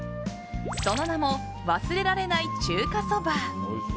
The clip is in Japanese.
その名も、忘れられない中華そば。